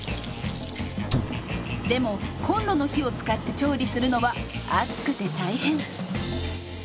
でもコンロの火を使って調理するのは暑くて大変。